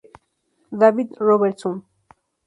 David Robertson.